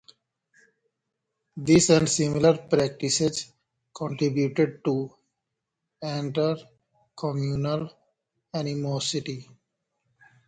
This and similar practices contributed to inter-communal animosity.